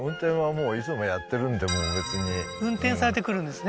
運転されて来るんですね